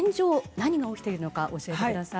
何が起きているのか教えてください。